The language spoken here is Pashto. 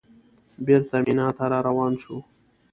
بېرته مینا ته راروان شوو.